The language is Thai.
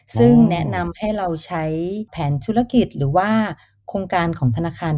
ซึ่งแนะนำให้เราใช้แผนธุรกิจหรือว่าโครงการของธนาคาร